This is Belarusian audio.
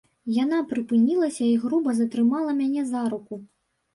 Яна прыпынілася і груба затрымала мяне за руку.